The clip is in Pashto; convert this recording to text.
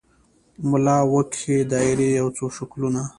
ملا وکښې دایرې یو څو شکلونه